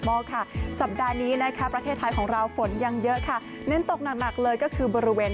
อกค่ะสัปดาห์นี้นะคะประเทศไทยของเราฝนยังเยอะค่ะเน้นตกหนักเลยก็คือบริเวณ